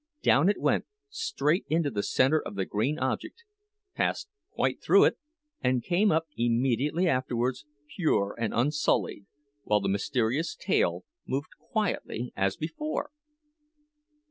Down it went straight into the centre of the green object, passed quite through it, and came up immediately afterwards, pure and unsullied, while the mysterious tail moved quietly as before!